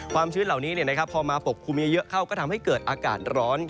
ชื้นเหล่านี้พอมาปกคลุมเยอะเข้าก็ทำให้เกิดอากาศร้อน